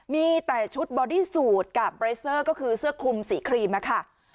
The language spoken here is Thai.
มีแต่ชุดบอดี้สูตรกับเบรเซอร์ก็คือเสื้อคลุมสีครีมค่ะ